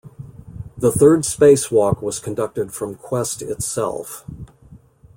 The third spacewalk was conducted from "Quest" itself.